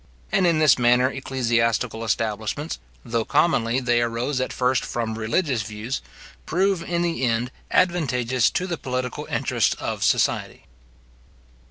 And in this manner ecclesiastical establishments, though commonly they arose at first from religious views, prove in the end advantageous to the political interests of society."